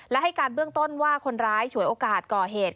และให้การเบื้องต้นว่าคนร้ายฉวยโอกาสก่อเหตุ